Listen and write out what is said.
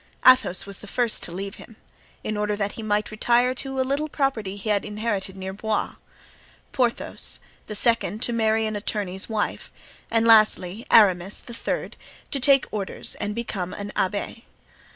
Athos was the first to leave him, in order that he might retire to a little property he had inherited near Blois; Porthos, the second, to marry an attorney's wife; and lastly, Aramis, the third, to take orders and become an abbé.